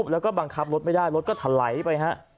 แล้วก็บังคับรถไม่ได้รถก็ถลายไปฮะ